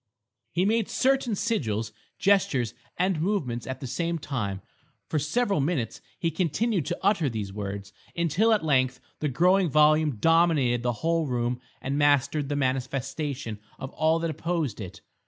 He made certain sigils, gestures and movements at the same time. For several minutes he continued to utter these words, until at length the growing volume dominated the whole room and mastered the manifestation of all that opposed it.